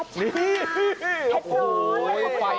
เผ็ดโซนเลยครับคุณผู้ชม